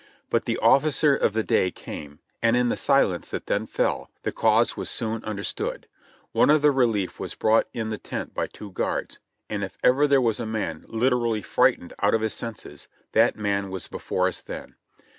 But the officer of the day came, and in the silence that then fell, the cause was soon understood. One of the relief was brought in the tent by two guards, and if ever there was a man Hterally frightened out of his senses, that man was before us then.